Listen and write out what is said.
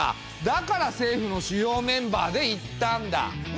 だから政府の主要メンバーで行ったんだ。